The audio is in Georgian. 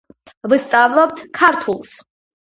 ვსწავლობთ ქართულს